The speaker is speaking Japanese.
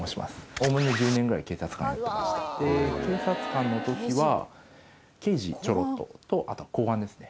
おおむね１０年ぐらい警察官やってましたで警察官の時は刑事ちょろっととあとは公安ですね